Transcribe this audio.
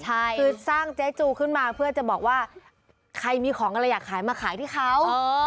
คือสร้างเจ๊จูขึ้นมาเพื่อจะบอกว่าใครมีของอะไรอยากขายมาขายที่เขา